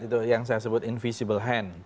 itu yang saya sebut invisible hand